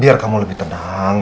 biar kamu lebih tenang